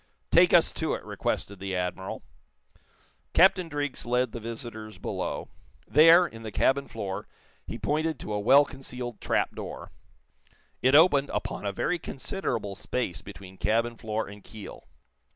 "Take us to it," requested the Admiral. Captain Driggs led the visitors below. There, in the cabin floor, he pointed to a well concealed trapdoor. It opened upon a very considerable space between cabin floor and keel.